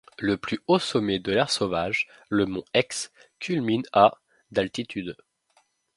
Le plus haut sommet de l’aire sauvage, le mont Aix culmine à d’altitude.